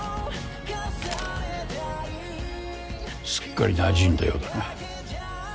すっかりに馴染んだようだな。